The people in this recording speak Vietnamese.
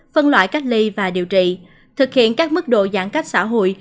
phân loại cách ly và điều trị thực hiện các mức độ giãn cách xã hội